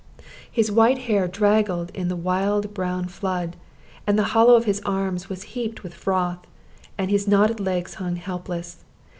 His white hair draggled in the wild brown flood, and the hollow of his arms was heaped with froth, and his knotted legs hung helpless.